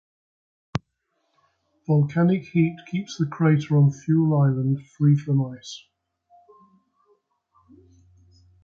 Volcanic heat keeps the crater on Thule Island free from ice.